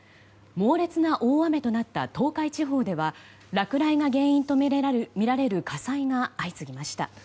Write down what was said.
猛烈な大雨となった東海地方では落雷が原因とみられる火災が相次ぎました。